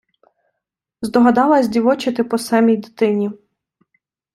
Здогадалась дівочити по семій дитині.